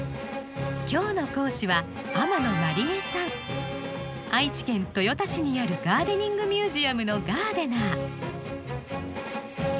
今日の講師は愛知県豊田市にあるガーデニングミュージアムのガーデナー。